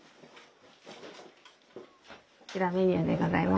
こちらメニューでございます。